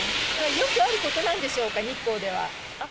よくあることなんでしょうか、日光では。